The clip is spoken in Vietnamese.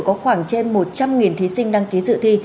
có khoảng trên một trăm linh thí sinh đăng ký dự thi